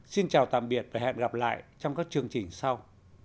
xin chào tạm biệt và hẹn gặp lại trong các chương trình sau